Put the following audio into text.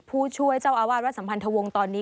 ผู้ช่วยเจ้าอาวาสวัดสัมพันธวงศ์ตอนนี้